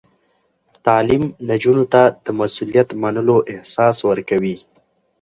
تعلیم نجونو ته د مسؤلیت منلو احساس ورکوي.